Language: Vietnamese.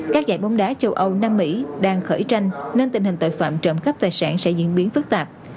các giải bóng đá châu âu nam mỹ đang khởi tranh nên tình hình tội phạm trộm cắp tài sản sẽ diễn biến phức tạp